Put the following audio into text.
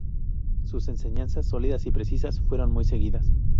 Sus enseñanzas, sólidas y precisas, fueron muy seguidas.